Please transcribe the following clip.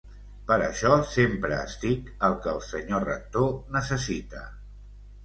Per això sempre estic al que el senyor rector necessita.